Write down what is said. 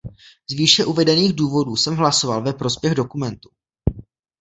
Z výše uvedených důvodů jsem hlasoval ve prospěch dokumentu.